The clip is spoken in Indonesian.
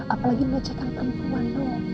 apalagi melecehkan perempuan